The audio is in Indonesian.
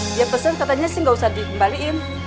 dia pesen katanya sih gak usah dikembalikan